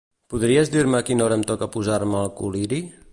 Podries dir-me a quina hora em toca posar-me el col·liri?